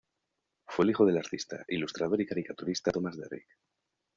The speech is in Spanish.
Fue el hijo del artista, ilustrador y caricaturista Thomas Derrick.